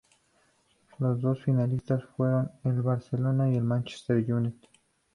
Los dos finalistas fueron el Barcelona y el Manchester United.